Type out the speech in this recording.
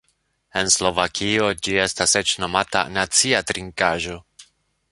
En Slovakio ĝi estas eĉ nomata "nacia trinkaĵo".